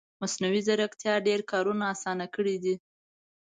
مصنوعي ځیرکتیا ډېر کارونه اسانه کړي دي